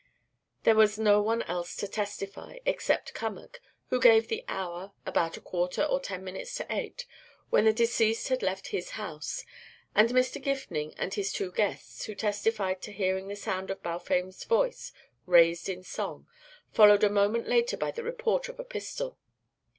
There was no one else to testify, except Cummack, who gave the hour, about a quarter or ten minutes to eight, when the deceased had left his house, and Mr. Gifning and his two guests, who testified to hearing the sound of Balfame's voice raised in song, followed a moment later by the report of a pistol.